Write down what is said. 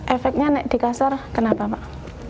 efeknya nek dikasar kenapa pak